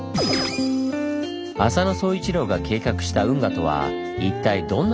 浅野総一郎が計画した運河とは一体どんなものなのか？